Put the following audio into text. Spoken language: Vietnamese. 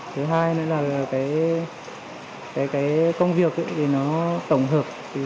thứ hai nữa là cái công việc thì nó tổng hợp